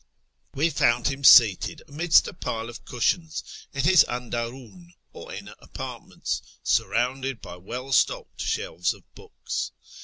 We found him seated, amidst a pile of cushions, in his andarun, or inner apartments, surrounded by well stocked shelves of books.